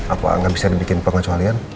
apa nggak bisa dibikin pengecualian